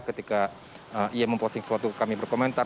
ketika ia memposting suatu kami berkomentar